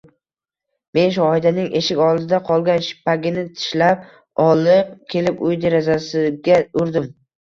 Men Shohidaning eshik oldida qolgan shippagini tishlab olib kelib uy derazasiga urdim